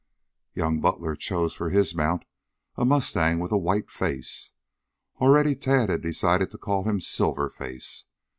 Young Butler chose for his mount a mustang with a white face. Already Tad had decided to call him Silver Face.